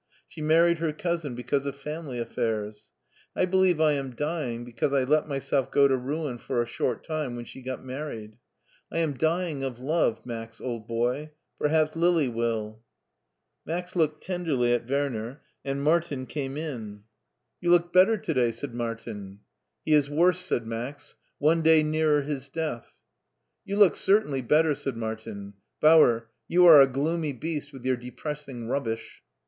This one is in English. She married her cousin because of family affairs. I believe I am dying because I let myself go to ruin for a short time when she got married. I am dying of love. Max, old boy. Perhaps LiliwilL" Max looked tenderly at Werner, and Martin came in. St 4i 68 MARTIN SCHtJLER You look better to day/' said Martin. He is worse/' said Max ;one day nearer his death/' " You look certainly better/' said Martin. " Bauer, you are a gloomy beast with your depressing rubbish."